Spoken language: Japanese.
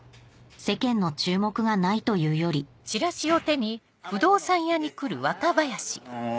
世間の注目がないというより甘いもの